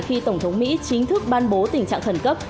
khi tổng thống mỹ chính thức ban bố tình trạng khẩn cấp